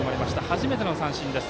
初めての三振です。